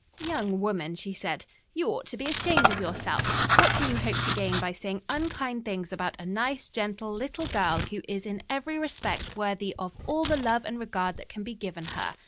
"Young woman," she said, "you ought to be ashamed of yourself. What can you hope to gain by saying unkind things about a nice, gentle, little girl who is in every respect worthy of all the love and regard that can be given her?